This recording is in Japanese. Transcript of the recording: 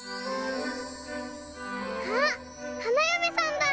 ・あっ花嫁さんだ。